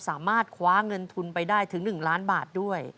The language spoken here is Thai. สามารถคว้าเงินทุนไปได้ถึง๑ล้านบาทด้วย